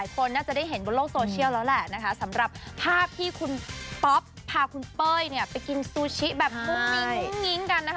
พ่อสำหรับภาพที่คุณภาคุณเป้ยเนี่ยไปกินซูชิแบบนะคะ